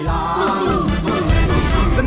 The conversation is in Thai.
ร้องได้ให้ร้าง